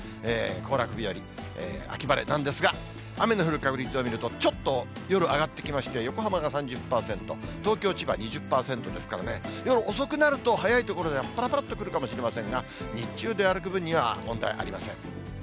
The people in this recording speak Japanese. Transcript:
行楽日和、秋晴れなんですが、雨の降る確率を見ると、ちょっと夜上がってきまして、横浜が３０％、東京、千葉２０％ですからね、夜遅くなると早い所ではぱらぱらっと来るかもしれませんが、日中出歩く分には、問題ありません。